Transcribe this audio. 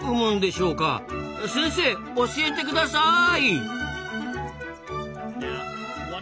先生教えて下さい！